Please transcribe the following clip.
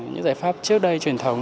những giải pháp trước đây truyền thống